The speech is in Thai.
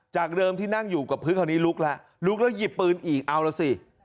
จากเดิมที่นั่งอยู่กับพื้นคราวนี้ลุกแล้วลุกแล้วหยิบปืนอีกเอาล่ะสิ